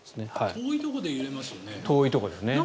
遠いところで揺れますよね。